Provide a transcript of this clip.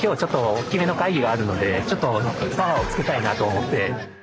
大きめの会議があるのでちょっとパワーをつけたいなと思って。